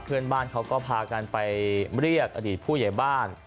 เพื่อนบ้านเขาก็พากันไปเรียกอดีตผู้ใหญ่บ้าน